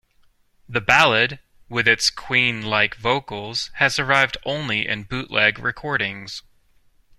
The ballad, with its Queen-like vocals, has survived only in bootleg recordings.